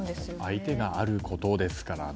相手があることですからね。